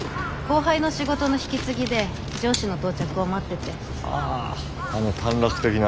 後輩の仕事の引き継ぎで上司の到着を待ってて。